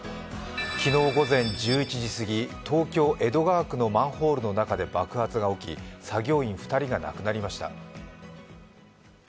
昨日午前１１時すぎ東京・江戸川区のマンホールの中で爆発が起き、作業員２人が亡くなりました。